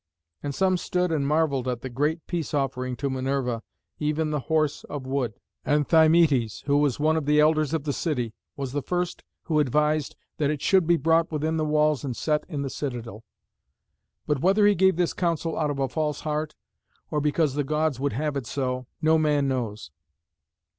And some stood and marvelled at the great peace offering to Minerva, even the Horse of wood. And Thymœtes, who was one of the elders of the city, was the first who advised that it should be brought within the walls and set in the citadel. But whether he gave this counsel out of a false heart, or because the Gods would have it so, no man knows.